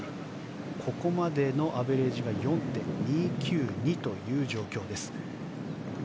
ここまでのアベレージが４．２９２という状況です。